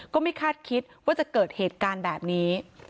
ก็ไม่คาดคิดว่าจะเกิดเหตุการณ์แบบนี้